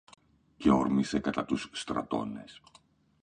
Και όρμησε κατά τους στρατώνες.